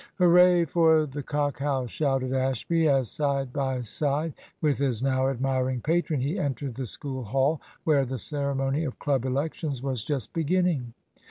"Hooray for the Cock House!" shouted Ashby, as, side by side with his now admiring patron, he entered the School Hall, where the ceremony of club elections was just beginning.